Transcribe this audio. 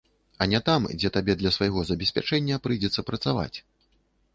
А не там, дзе табе для свайго забеспячэння прыйдзецца працаваць.